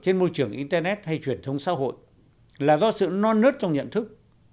trên môi trường internet hay truyền thông xã hội là do sự non nớt trong nhận thức